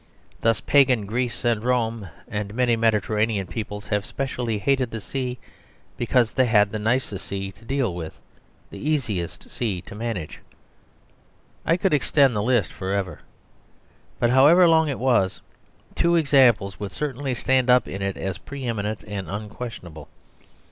Thus Pagan Greece and Rome and many Mediterranean peoples have specially hated the sea because they had the nicest sea to deal with, the easiest sea to manage. I could extend the list for ever. But however long it was, two examples would certainly stand up in it as pre eminent and unquestionable.